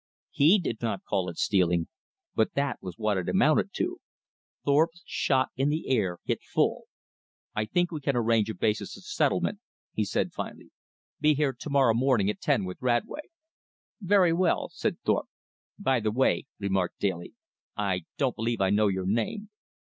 He did not call it stealing; but that was what it amounted to. Thorpe's shot in the air hit full. "I think we can arrange a basis of settlement," he said finally. "Be here to morrow morning at ten with Radway." "Very well," said Thorpe. "By the way," remarked Daly, "I don't believe I know your name?"